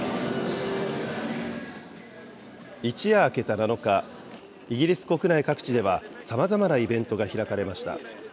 一夜明けた７日、イギリス国内各地では、さまざまなイベントが開かれました。